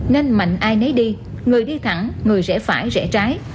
nên mạnh ai nấy đi người đi thẳng người rẽ phải rẽ trái